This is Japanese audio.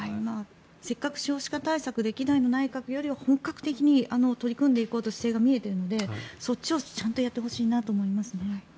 せっかく少子化対策のできる内閣よりは本格的に取り組んでいこうという姿勢が見えているのでそっちをちゃんとやってほしいと思います。